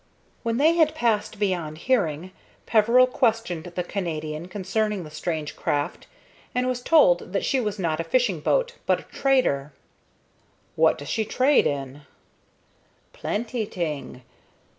When they had passed beyond hearing, Peveril questioned the Canadian concerning the strange craft, and was told that she was not a fishing boat, but a trader. "What does she trade in?" "Plenty t'ing.